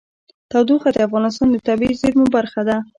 تودوخه د افغانستان د طبیعي زیرمو برخه ده.